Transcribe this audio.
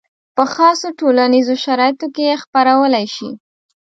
په خاصو ټولنیزو شرایطو کې یې خپرولی شي.